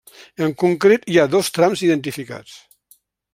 En concret hi ha dos trams identificats.